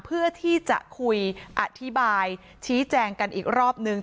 เพื่อที่จะคุยอธิบายชี้แจงกันอีกรอบนึง